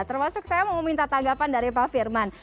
termasuk saya mau meminta tanggapan dari pak firman